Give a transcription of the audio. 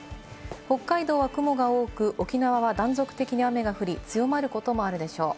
北海道は雲が多く、沖縄は断続的に雨が降り、強まることもあるでしょう。